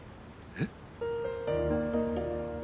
えっ？